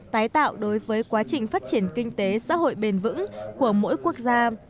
tái tạo đối với quá trình phát triển kinh tế xã hội bền vững của mỗi quốc gia